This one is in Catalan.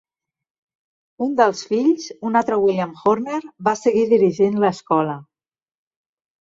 Un dels fills, un altre William Horner, va seguir dirigint l'escola.